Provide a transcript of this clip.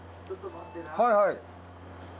はいはい。